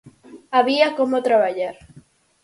Había como traballar.